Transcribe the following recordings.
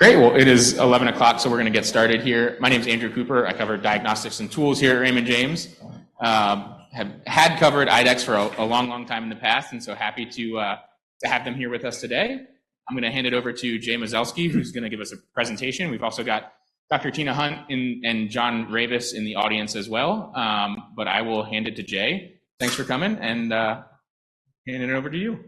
Great! Well, it is 11:00 A.M., so we're gonna get started here. My name is Andrew Cooper. I cover diagnostics and tools here at Raymond James. Had covered IDEXX for a long, long time in the past, and so happy to have them here with us today. I'm gonna hand it over to Jay Mazelsky, who's gonna give us a presentation. We've also got Dr. Tina Hunt and John Ravis in the audience as well. But I will hand it to Jay. Thanks for coming, and hand it over to you.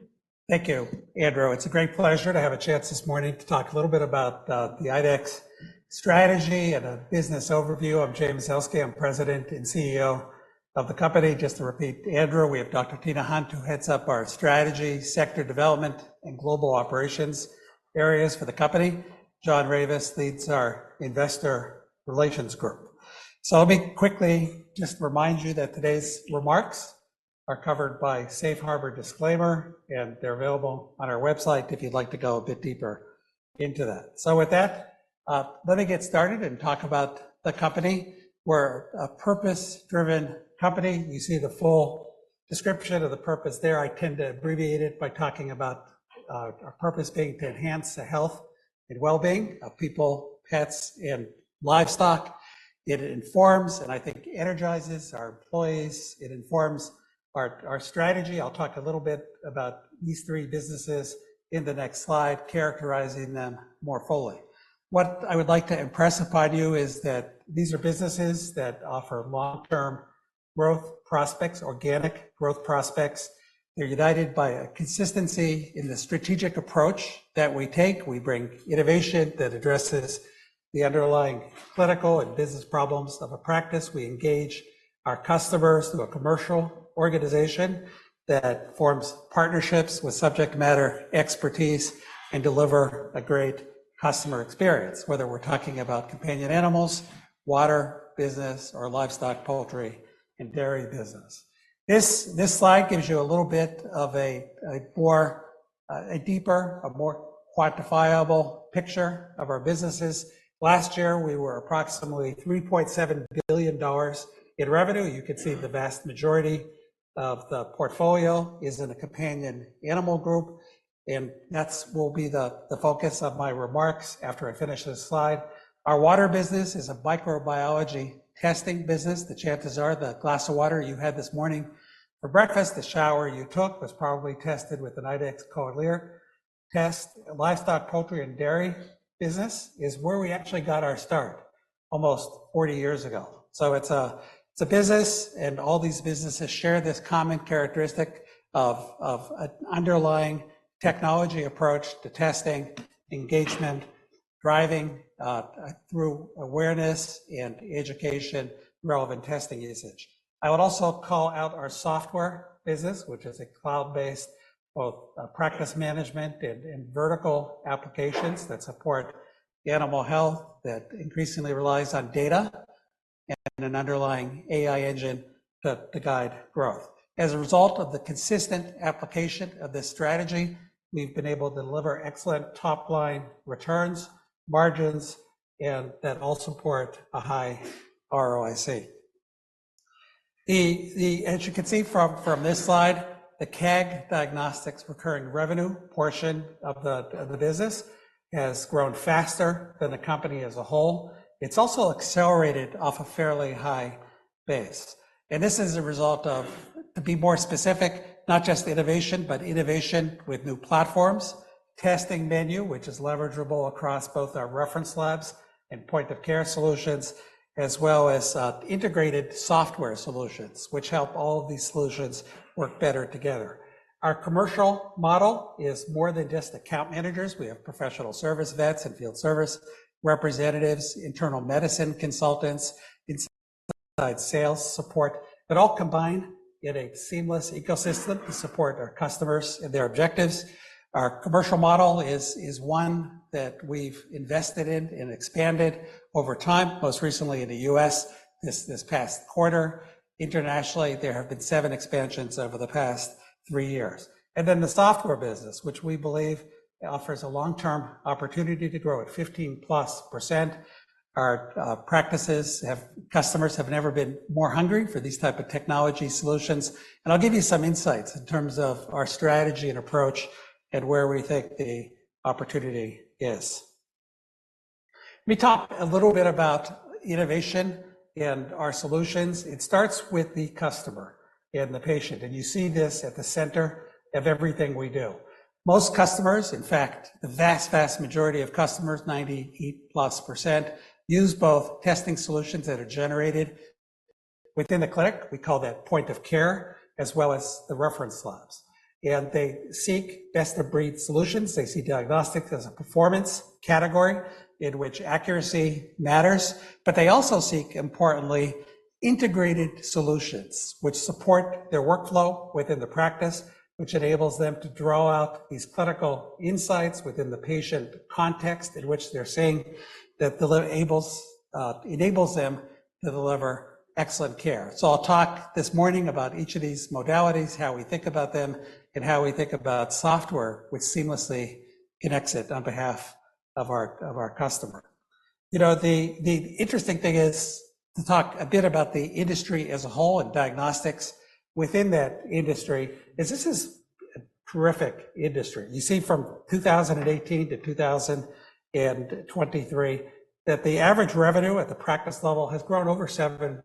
Thank you, Andrew. It's a great pleasure to have a chance this morning to talk a little bit about the IDEXX strategy and a business overview. I'm Jay Mazelsky, I'm President and CEO of the company. Just to repeat Andrew, we have Dr. Tina Hunt, who heads up our strategy, sector development, and global operations areas for the company. John Ravis leads our investor relations group. So let me quickly just remind you that today's remarks are covered by safe harbor disclaimer, and they're available on our website if you'd like to go a bit deeper into that. So with that, let me get started and talk about the company. We're a purpose-driven company. You see the full description of the purpose there. I tend to abbreviate it by talking about our purpose being to enhance the health and well-being of people, pets, and livestock. It informs, and I think energizes our employees. It informs our strategy. I'll talk a little bit about these three businesses in the next slide, characterizing them more fully. What I would like to impress upon you is that these are businesses that offer long-term growth prospects, organic growth prospects. They're united by a consistency in the strategic approach that we take. We bring innovation that addresses the underlying clinical and business problems of a practice. We engage our customers through a commercial organization that forms partnerships with subject matter expertise and deliver a great customer experience, whether we're talking about companion animals, water business, or livestock, poultry, and dairy business. This slide gives you a little bit of a deeper, more quantifiable picture of our businesses. Last year, we were approximately $3.7 billion in revenue. You can see the vast majority of the portfolio is in the Companion Animal Group, and that will be the focus of my remarks after I finish this slide. Our water business is a microbiology testing business. The chances are the glass of water you had this morning for breakfast, the shower you took, was probably tested with an IDEXX Colilert test. Livestock, poultry, and dairy business is where we actually got our start almost 40 years ago. So it's a business, and all these businesses share this common characteristic of an underlying technology approach to testing, engagement, driving through awareness and education, relevant testing usage. I would also call out our software business, which is a cloud-based, both practice management and vertical applications that support the animal health that increasingly relies on data and an underlying AI engine to guide growth. As a result of the consistent application of this strategy, we've been able to deliver excellent top-line returns, margins, and that all support a high ROIC. As you can see from this slide, the CAG Diagnostics recurring revenue portion of the business has grown faster than the company as a whole. It's also accelerated off a fairly high base, and this is a result of, to be more specific, not just innovation, but innovation with new platforms, testing menu, which is leverageable across both our reference labs and point-of-care solutions, as well as integrated software solutions, which help all of these solutions work better together. Our commercial model is more than just account managers. We have professional service vets and field service representatives, internal medicine consultants, inside sales support, but all combined in a seamless ecosystem to support our customers and their objectives. Our commercial model is one that we've invested in and expanded over time, most recently in the U.S. this past quarter. Internationally, there have been seven expansions over the past three years. And then the software business, which we believe offers a long-term opportunity to grow at 15%+. Our customers have never been more hungry for these type of technology solutions, and I'll give you some insights in terms of our strategy and approach and where we think the opportunity is. Let me talk a little bit about innovation and our solutions. It starts with the customer and the patient, and you see this at the center of everything we do. Most customers, in fact, the vast, vast majority of customers, 90%+, use both testing solutions that are generated within the clinic, we call that point of care, as well as the reference labs. They seek best-of-breed solutions. They see diagnostics as a performance category in which accuracy matters, but they also seek, importantly, integrated solutions which support their workflow within the practice, which enables them to draw out these clinical insights within the patient context in which they're saying that delivers enables, enables them to deliver excellent care. So I'll talk this morning about each of these modalities, how we think about them, and how we think about software, which seamlessly connects it on behalf of our, of our customer.... You know, the interesting thing is to talk a bit about the industry as a whole and diagnostics within that industry, is this is a terrific industry. You see from 2018 to 2023, that the average revenue at the practice level has grown over 7%.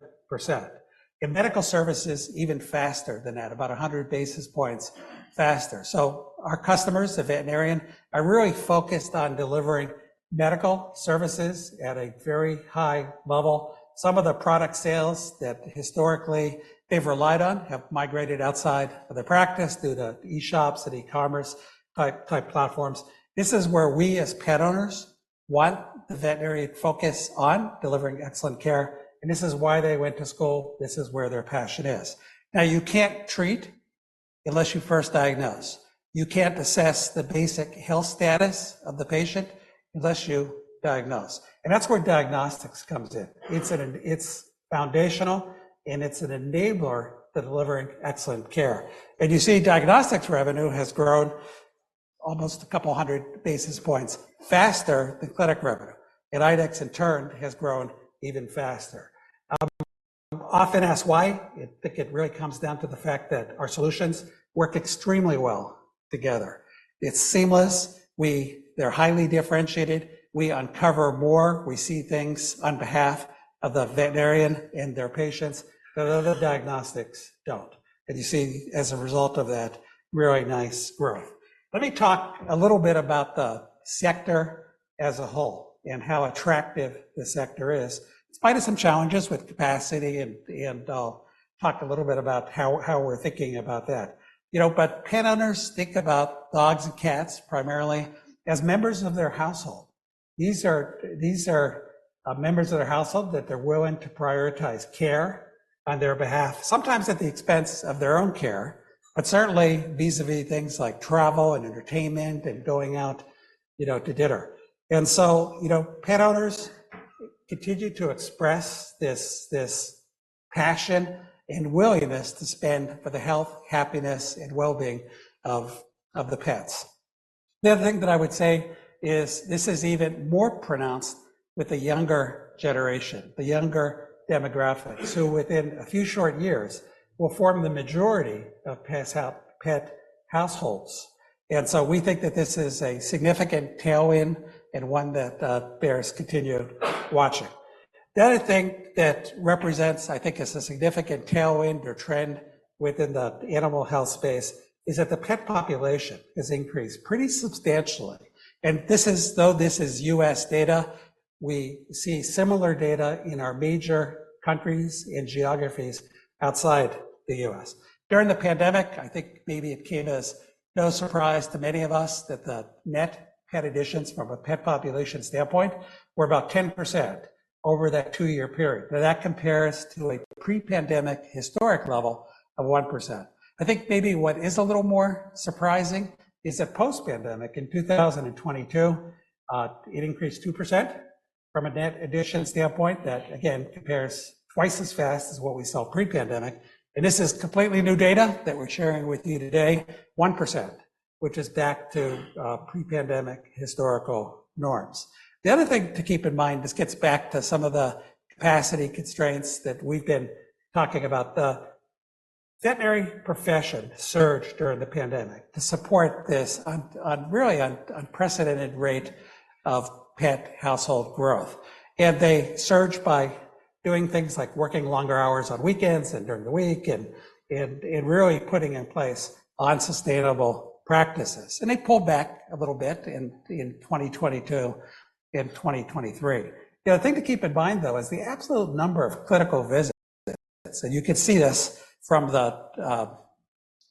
In medical services, even faster than that, about 100 basis points faster. So our customers, the veterinarian, are really focused on delivering medical services at a very high level. Some of the product sales that historically they've relied on have migrated outside of the practice through the e-shops and e-commerce type platforms. This is where we as pet owners want the veterinary focus on delivering excellent care, and this is why they went to school. This is where their passion is. Now, you can't treat unless you first diagnose. You can't assess the basic health status of the patient unless you diagnose, and that's where diagnostics comes in. It's foundational, and it's an enabler to delivering excellent care. And you see, diagnostics revenue has grown almost 200 basis points faster than clinic revenue, and IDEXX, in turn, has grown even faster. Often asked why? I think it really comes down to the fact that our solutions work extremely well together. It's seamless. They're highly differentiated. We uncover more. We see things on behalf of the veterinarian and their patients that other diagnostics don't. And you see, as a result of that, very nice growth. Let me talk a little bit about the sector as a whole and how attractive the sector is, despite of some challenges with capacity, and I'll talk a little bit about how we're thinking about that. You know, but pet owners think about dogs and cats, primarily, as members of their household. These are members of their household that they're willing to prioritize care on their behalf, sometimes at the expense of their own care, but certainly vis-à-vis things like travel and entertainment and going out, you know, to dinner. And so, you know, pet owners continue to express this passion and willingness to spend for the health, happiness, and well-being of the pets. The other thing that I would say is this is even more pronounced with the younger generation, the younger demographic, so within a few short years, will form the majority of pet households. And so we think that this is a significant tailwind and one that bears continued watching. The other thing that represents, I think, is a significant tailwind or trend within the animal health space, is that the pet population has increased pretty substantially. And this is, though this is U.S. data, we see similar data in our major countries, in geographies outside the U.S. During the pandemic, I think maybe it came as no surprise to many of us that the net pet additions from a pet population standpoint were about 10% over that two-year period. Now, that compares to a pre-pandemic historic level of 1%. I think maybe what is a little more surprising is that post-pandemic, in 2022, it increased 2% from a net addition standpoint. That, again, compares twice as fast as what we saw pre-pandemic, and this is completely new data that we're sharing with you today, 1%, which is back to pre-pandemic historical norms. The other thing to keep in mind, this gets back to some of the capacity constraints that we've been talking about. The veterinary profession surged during the pandemic to support this unprecedented rate of pet household growth. And they surged by doing things like working longer hours on weekends and during the week and really putting in place unsustainable practices. And they pulled back a little bit in 2022 and 2023. The other thing to keep in mind, though, is the absolute number of clinical visits, and you can see this from the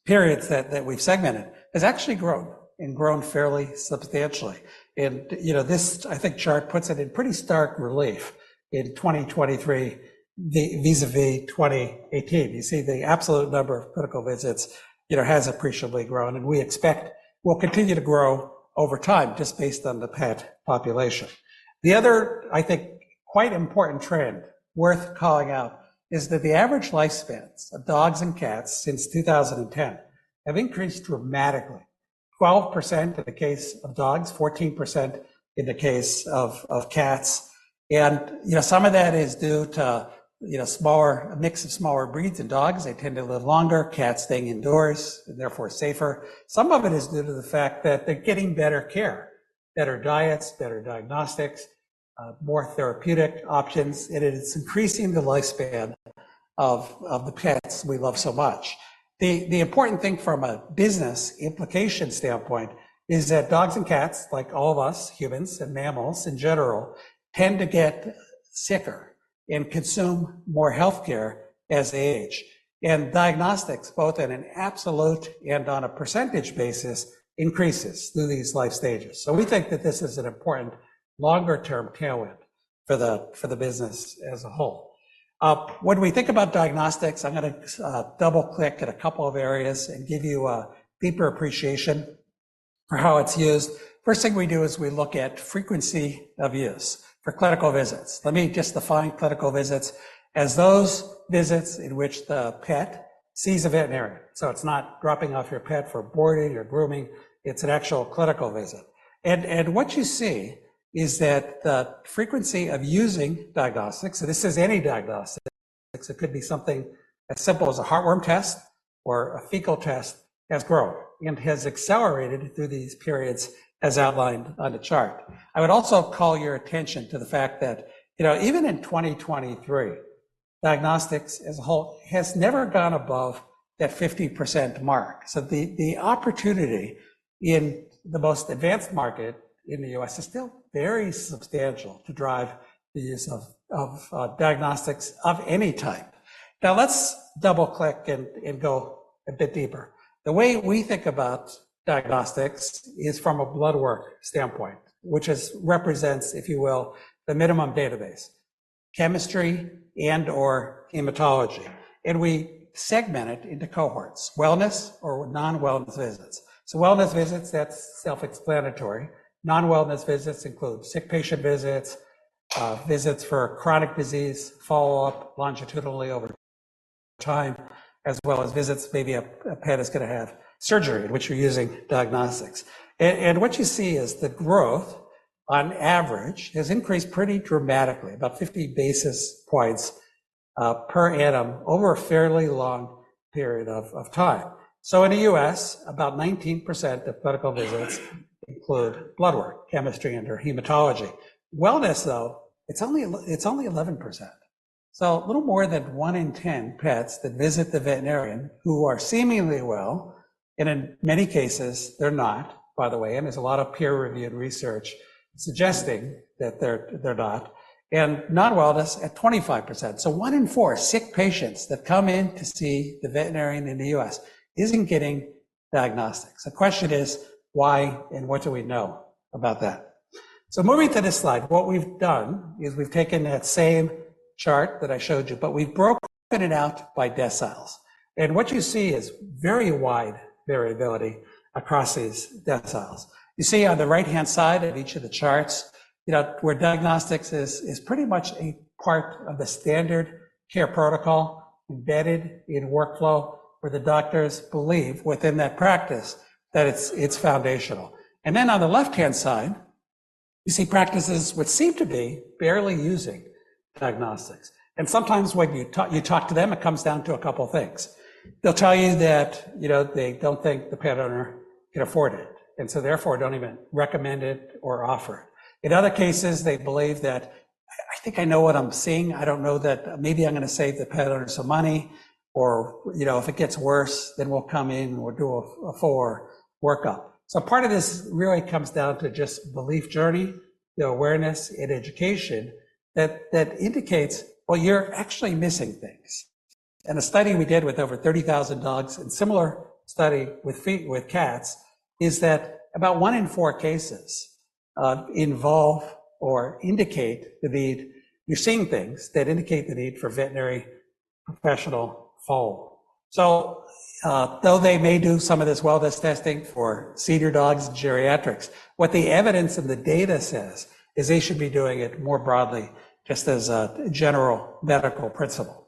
periods that we've segmented, has actually grown and grown fairly substantially. You know, this, I think, chart puts it in pretty stark relief in 2023, vis-à-vis 2018. You see the absolute number of clinical visits, you know, has appreciably grown, and we expect will continue to grow over time just based on the pet population. The other, I think, quite important trend worth calling out is that the average lifespans of dogs and cats since 2010 have increased dramatically. 12% in the case of dogs, 14% in the case of cats. You know, some of that is due to, you know, smaller, a mix of smaller breeds in dogs. They tend to live longer, cats staying indoors and therefore safer. Some of it is due to the fact that they're getting better care, better diets, better diagnostics, more therapeutic options, and it is increasing the lifespan of the pets we love so much. The important thing from a business implication standpoint is that dogs and cats, like all of us humans and mammals in general, tend to get sicker and consume more healthcare as they age. And diagnostics, both in an absolute and on a percentage basis, increases through these life stages. So we think that this is an important longer-term tailwind for the business as a whole. When we think about diagnostics, I'm gonna double-click in a couple of areas and give you a deeper appreciation for how it's used. First thing we do is we look at frequency of use for clinical visits. Let me just define clinical visits as those visits in which the pet sees a veterinarian. So it's not dropping off your pet for boarding or grooming, it's an actual clinical visit. And what you see is that the frequency of using diagnostics, so this is any diagnostic, it could be something as simple as a heartworm test or a fecal test, has grown and has accelerated through these periods, as outlined on the chart. I would also call your attention to the fact that, you know, even in 2023, diagnostics as a whole has never gone above that 50% mark. So the opportunity in the most advanced market in the U.S. is still very substantial to drive the use of diagnostics of any type. Now, let's double-click and go a bit deeper. The way we think about diagnostics is from a blood work standpoint, which represents, if you will, the minimum database: chemistry and/or hematology. We segment it into cohorts, wellness or non-wellness visits. Wellness visits, that's self-explanatory. Non-wellness visits include sick patient visits, visits for chronic disease, follow-up longitudinally over time, as well as visits, maybe a pet is gonna have surgery, in which you're using diagnostics. What you see is the growth, on average, has increased pretty dramatically, about 50 basis points per annum over a fairly long period of time. In the U.S., about 19% of medical visits include blood work, chemistry, and/or hematology. Wellness, though, it's only 11%. So a little more than one in 10 pets that visit the veterinarian, who are seemingly well, and in many cases, they're not, by the way, and there's a lot of peer-reviewed research suggesting that they're, they're not, and non-wellness at 25%. So one in 4 sick patients that come in to see the veterinarian in the U.S. isn't getting diagnostics. The question is why, and what do we know about that? So moving to this slide, what we've done is we've taken that same chart that I showed you, but we've broken it out by deciles. And what you see is very wide variability across these deciles. You see on the right-hand side of each of the charts, you know, where diagnostics is, is pretty much a part of the standard care protocol, embedded in workflow, where the doctors believe within that practice that it's, it's foundational. Then on the left-hand side, you see practices which seem to be barely using diagnostics. Sometimes when you talk to them, it comes down to a couple of things. They'll tell you that, you know, they don't think the pet owner can afford it, and so therefore, don't even recommend it or offer it. In other cases, they believe that, "I, I think I know what I'm seeing. I don't know that... Maybe I'm gonna save the pet owner some money," or, "You know, if it gets worse, then we'll come in, and we'll do a full workup." So part of this really comes down to just belief journey, the awareness in education, that indicates, well, you're actually missing things. A study we did with over 30,000 dogs, and a similar study with cats, is that about one in four cases involve or indicate the need—you're seeing things that indicate the need for veterinary professional follow-up. So, though they may do some of this wellness testing for senior dogs and geriatrics, what the evidence and the data says, is they should be doing it more broadly, just as a general medical principle.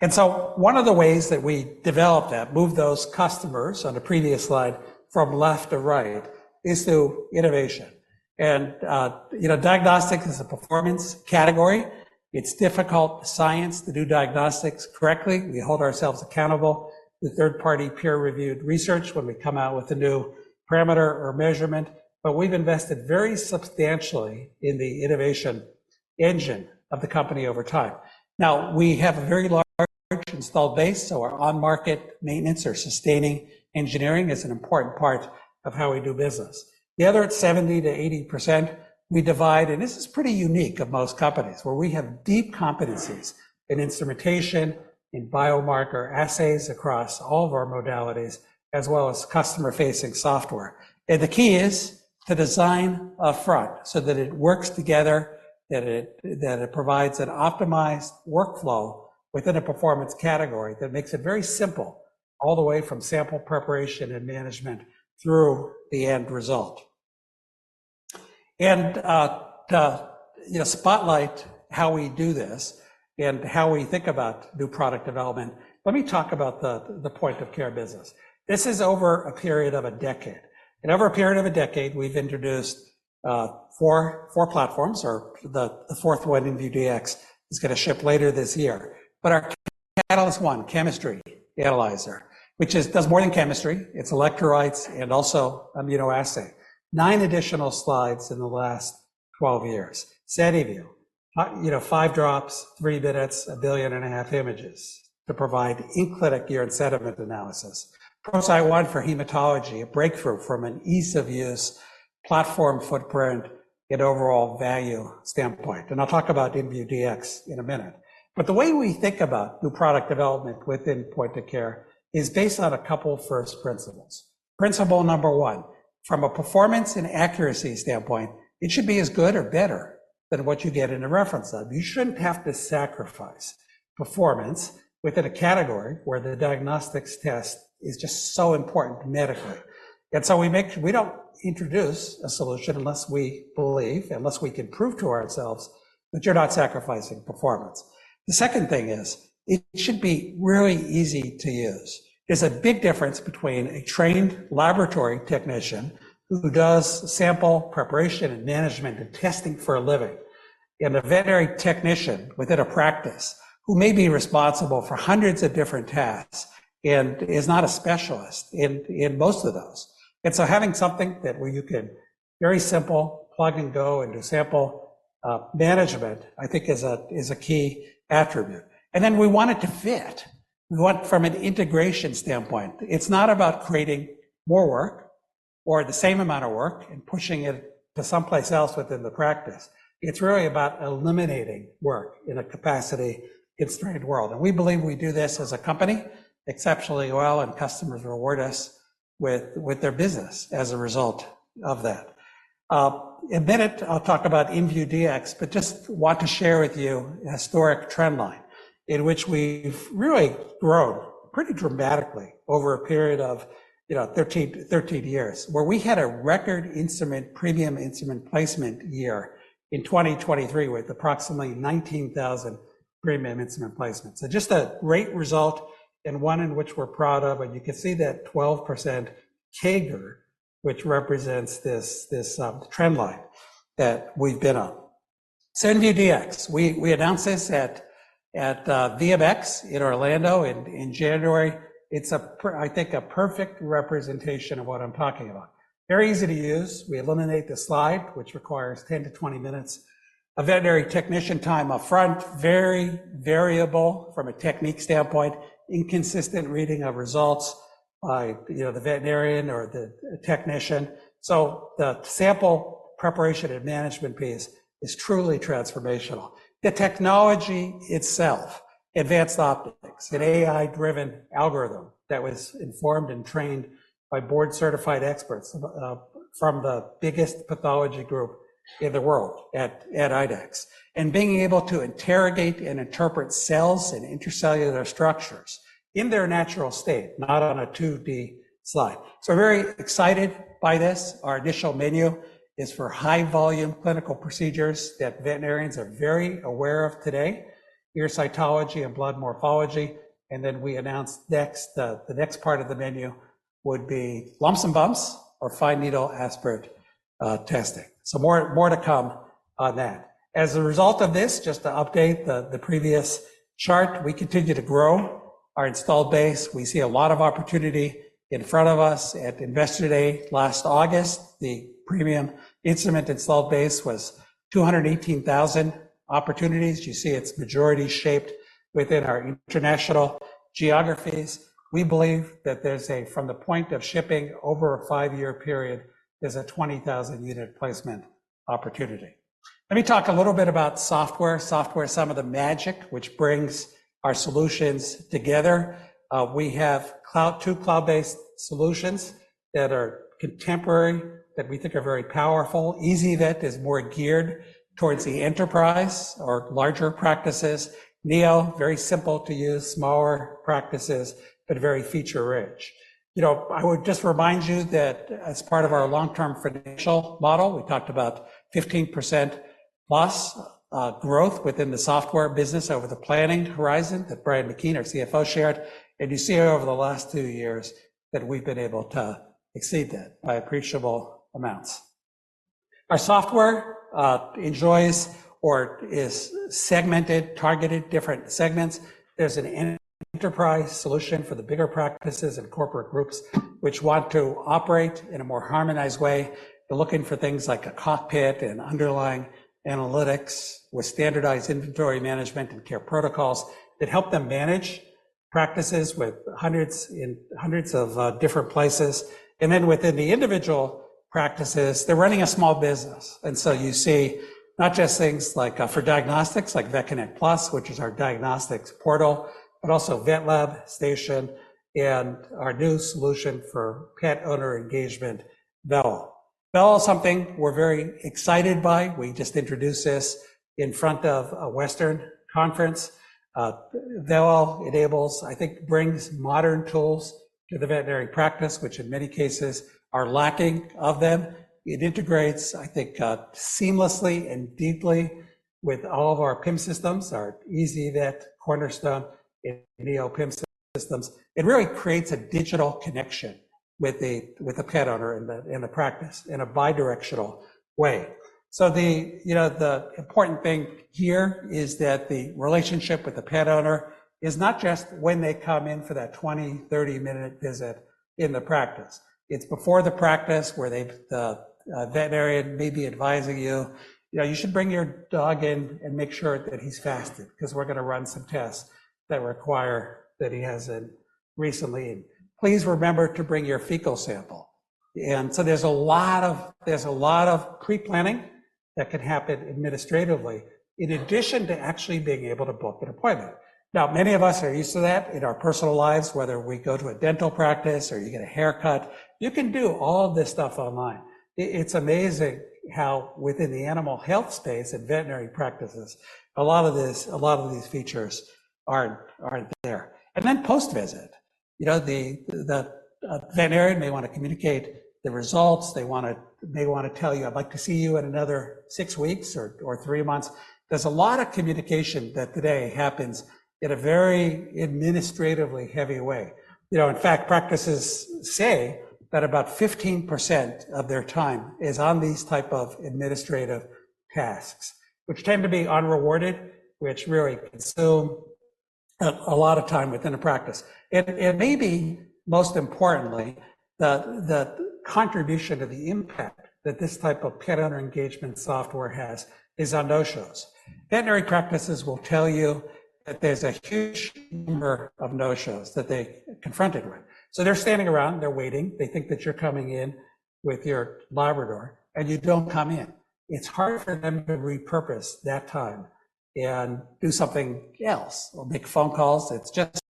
And so one of the ways that we develop that, move those customers on the previous slide from left to right, is through innovation. And, you know, diagnostics is a performance category. It's difficult science to do diagnostics correctly. We hold ourselves accountable to third-party, peer-reviewed research when we come out with a new parameter or measurement, but we've invested very substantially in the innovation engine of the company over time. Now, we have a very large installed base, so our on-market maintenance or sustaining engineering is an important part of how we do business. The other 70%-80%, we divide, and this is pretty unique of most companies, where we have deep competencies in instrumentation, in biomarker assays across all of our modalities, as well as customer-facing software. The key is to design upfront so that it works together, that it, that it provides an optimized workflow within a performance category that makes it very simple all the way from sample preparation and management through the end result. And, you know, to spotlight how we do this and how we think about new product development, let me talk about the Point of Care business. This is over a period of a decade. And over a period of a decade, we've introduced 4 platforms, or the fourth one, InVue Dx, is gonna ship later this year. But our Catalyst One chemistry analyzer, which does more than chemistry, it's electrolytes and also immunoassay. 9 additional slides in the last 12 years. SediVue, you know, 5 drops, 3 minutes, 1.5 billion images to provide in-clinic urine sediment analysis. ProCyte One for hematology, a breakthrough from an ease-of-use platform footprint and overall value standpoint. And I'll talk about InVue Dx in a minute. But the way we think about new product development within Point of Care is based on a couple of first principles. Principle number one: from a performance and accuracy standpoint, it should be as good or better than what you get in a reference lab. You shouldn't have to sacrifice performance within a category where the diagnostics test is just so important medically.... And so we make, we don't introduce a solution unless we believe, unless we can prove to ourselves that you're not sacrificing performance. The second thing is, it should be really easy to use. There's a big difference between a trained laboratory technician who does sample preparation and management and testing for a living, and a veterinary technician within a practice who may be responsible for hundreds of different tasks and is not a specialist in, in most of those. And so having something that where you can very simple plug and go and do sample, management, I think is a, is a key attribute. And then we want it to fit. We want from an integration standpoint, it's not about creating more work or the same amount of work and pushing it to someplace else within the practice. It's really about eliminating work in a capacity-constrained world. And we believe we do this as a company exceptionally well, and customers reward us with their business as a result of that. In a minute, I'll talk about InVue Dx, but just want to share with you a historic trend line in which we've really grown pretty dramatically over a period of, you know, 13, 13 years, where we had a record instrument, premium instrument placement year in 2023, with approximately 19,000 premium instrument placements. So just a great result and one in which we're proud of. You can see that 12% CAGR, which represents this, this, trend line that we've been on. InVue Dx. We announced this at, at, VMX in Orlando in January. It's a perfect representation of what I'm talking about. Very easy to use. We eliminate the slide, which requires 10-20 minutes of veterinary technician time up front, very variable from a technique standpoint, inconsistent reading of results by, you know, the veterinarian or the technician. So the sample preparation and management piece is truly transformational. The technology itself, advanced optics, an AI-driven algorithm that was informed and trained by board-certified experts from the biggest pathology group in the world at IDEXX, and being able to interrogate and interpret cells and intracellular structures in their natural state, not on a 2D slide. So we're very excited by this. Our initial menu is for high-volume clinical procedures that veterinarians are very aware of today, ear cytology and blood morphology, and then we announced next, the next part of the menu would be lumps and bumps or fine needle aspirate testing. So more, more to come on that. As a result of this, just to update the previous chart, we continue to grow our installed base. We see a lot of opportunity in front of us. At Investor Day last August, the premium instrument installed base was 218,000 opportunities. You see it's majority shaped within our international geographies. We believe that there's a from the point of shipping over a 5-year period, there's a 20,000 unit placement opportunity. Let me talk a little bit about software. Software, some of the magic, which brings our solutions together. We have two cloud-based solutions that are contemporary, that we think are very powerful. ezyVet is more geared towards the enterprise or larger practices. Neo, very simple to use, smaller practices, but very feature-rich. You know, I would just remind you that as part of our long-term financial model, we talked about 15%+ growth within the software business over the planning horizon that Brian McKeon, our CFO, shared. You see over the last two years that we've been able to exceed that by appreciable amounts. Our software enjoys or is segmented, targeted different segments. There's an enterprise solution for the bigger practices and corporate groups, which want to operate in a more harmonized way. They're looking for things like a cockpit and underlying analytics with standardized inventory management and care protocols that help them manage practices with hundreds and hundreds of different places. And then within the individual practices, they're running a small business. And so you see not just things like, for diagnostics, like VetConnect PLUS, which is our diagnostics portal, but also VetLab Station and our new solution for pet owner engagement, Vello. Vello is something we're very excited by. We just introduced this in front of a Western conference. Vello enables, I think, brings modern tools to the veterinary practice, which in many cases are lacking of them. It integrates, I think, seamlessly and deeply with all of our PIM systems, our ezyVet, Cornerstone and Neo PIM systems. It really creates a digital connection with a pet owner in a practice in a bidirectional way. So, you know, the important thing here is that the relationship with the pet owner is not just when they come in for that 20, 30-minute visit in the practice. It's before the practice, where they, the veterinarian may be advising you, "You know, you should bring your dog in and make sure that he's fasted, because we're gonna run some tests that require that he hasn't recently eaten. Please remember to bring your fecal sample." And so there's a lot of pre-planning that can happen administratively, in addition to actually being able to book an appointment. Now, many of us are used to that in our personal lives, whether we go to a dental practice or you get a haircut, you can do all this stuff online. It's amazing how within the animal health space and veterinary practices, a lot of this, a lot of these features aren't, aren't there. And then post-visit? You know, the, the veterinarian may want to communicate the results. They want to-- They want to tell you, "I'd like to see you in another six weeks or, or three months." There's a lot of communication that today happens in a very administratively heavy way. You know, in fact, practices say that about 15% of their time is on these type of administrative tasks, which tend to be unrewarded, which really consume a lot of time within a practice. Maybe most importantly, the contribution or the impact that this type of pet owner engagement software has is on no-shows. Veterinary practices will tell you that there's a huge number of no-shows that they're confronted with. So they're standing around, they're waiting. They think that you're coming in with your Labrador, and you don't come in. It's hard for them to repurpose that time and do something else or make phone calls. It's just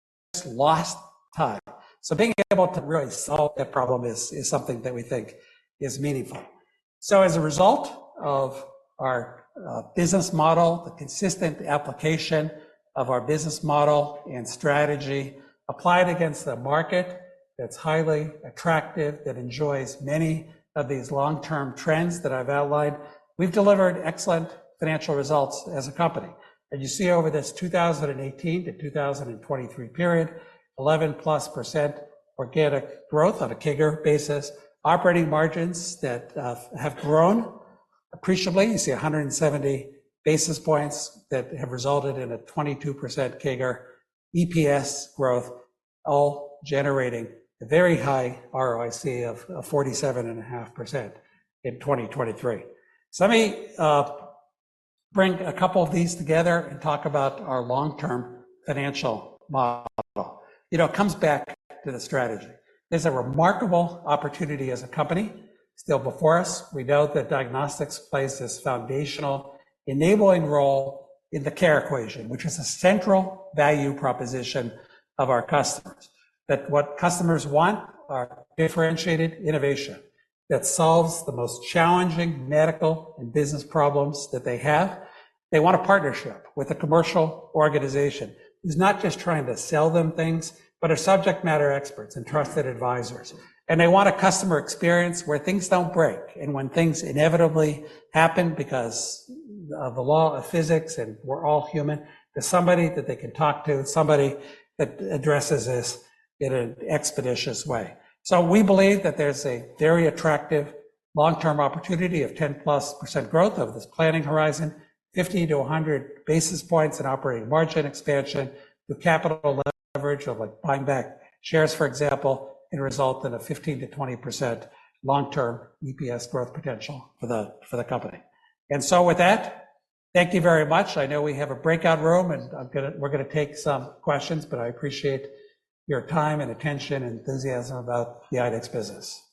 lost time. So being able to really solve that problem is something that we think is meaningful. So as a result of our business model, the consistent application of our business model and strategy applied against a market that's highly attractive, that enjoys many of these long-term trends that I've outlined, we've delivered excellent financial results as a company. You see over this 2018-2023 period, 11+% organic growth on a CAGR basis, operating margins that have grown appreciably. You see 170 basis points that have resulted in a 22% CAGR, EPS growth, all generating a very high ROIC of 47.5% in 2023. So let me bring a couple of these together and talk about our long-term financial model. You know, it comes back to the strategy. There's a remarkable opportunity as a company still before us. We know that diagnostics plays this foundational, enabling role in the care equation, which is a central value proposition of our customers. That what customers want are differentiated innovation that solves the most challenging medical and business problems that they have. They want a partnership with a commercial organization who's not just trying to sell them things, but are subject matter experts and trusted advisors. And they want a customer experience where things don't break, and when things inevitably happen because of the law of physics, and we're all human, there's somebody that they can talk to, somebody that addresses this in an expeditious way. So we believe that there's a very attractive long-term opportunity of 10%+ growth over this planning horizon, 50-100 basis points in operating margin expansion, through capital leverage of, like, buying back shares, for example, and result in a 15%-20% long-term EPS growth potential for the, for the company. And so with that, thank you very much. I know we have a breakout room, and we're gonna take some questions, but I appreciate your time and attention and enthusiasm about the IDEXX business.